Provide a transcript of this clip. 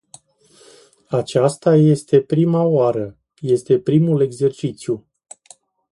Aceasta este prima oară, este primul exercițiu.